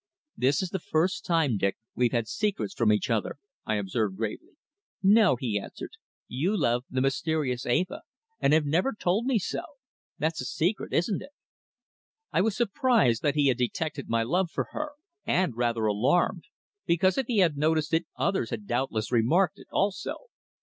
"This is the first time, Dick, we've had secrets from each other," I observed gravely. "No," he answered. "You love the mysterious Eva, and have never told me so. That's a secret, isn't it?" I was surprised that he had detected my love for her, and rather alarmed, because if he had noticed it others had doubtless remarked it also.